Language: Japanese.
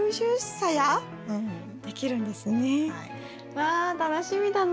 わ楽しみだな。